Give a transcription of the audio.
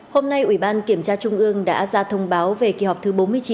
hôm nay ủy ban kiểm tra trung ương đã ra thông báo về kỳ họp thứ bốn mươi chín